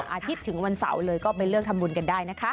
อาทิตย์ถึงวันเสาร์เลยก็ไปเลือกทำบุญกันได้นะคะ